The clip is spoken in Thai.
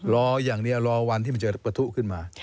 รออย่างเดียวรอวันที่มันจะประทุขึ้นมา